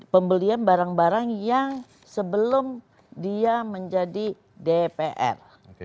pembelian barang barang yang sebelum dia menjadi dpr